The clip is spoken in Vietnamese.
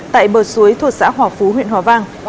tại bờ suối thuộc xã hòa phú huyện hòa vang